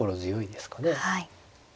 はい。